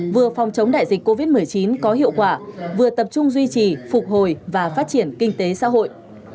vừa phòng chống đại dịch covid một mươi chín có hiệu quả vừa tập trung duy trì phục hồi và phát triển kinh tế xã hội